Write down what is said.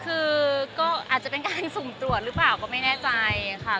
คือก็อาจจะเป็นการสุ่มตรวจหรือเปล่าก็ไม่แน่ใจค่ะ